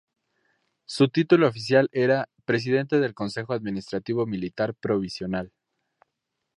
Su título oficial era "Presidente del Consejo Administrativo Militar Provisional".